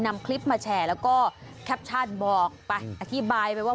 นำคลิปมาแชร์แล้วก็แคปชั่นบอกไปอธิบายไปว่า